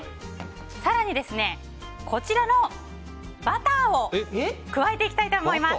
更に、こちらのバターを加えていきたいと思います。